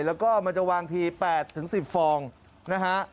แล้วก็มันจะวางที๘๑๐ฟองนะฮะ